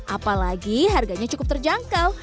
apalagi harganya cukup terjangkau